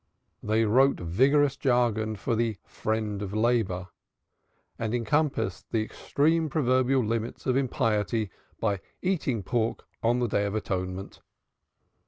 They wrote vigorous jargon for the Friend of Labor and compassed the extreme proverbial limits of impiety by "eating pork on the Day of Atonement."